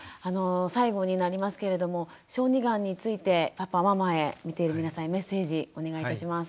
最後になりますけれども小児がんについてパパママへ見ている皆さんへメッセージお願いいたします。